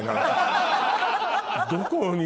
どこに。